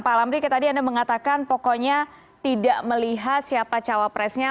pak lamri tadi anda mengatakan pokoknya tidak melihat siapa cawapresnya